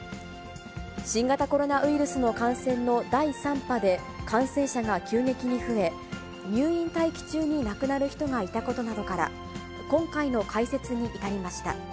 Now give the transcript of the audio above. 新型コロナウイルスの感染の第３波で、感染者が急激に増え、入院待機中に亡くなる人がいたことなどから、今回の開設に至りました。